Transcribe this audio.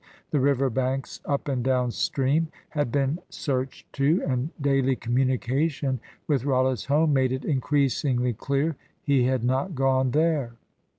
The river banks, up and down stream, had been searched too, and daily communication with Rollitt's home made it increasingly clear he had not gone there.